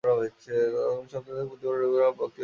আগামী সপ্তাহ থেকে প্রতি রবিবার বক্তৃতা আরম্ভ করব।